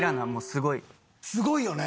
すごいよね。